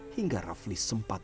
hingga rafli sempat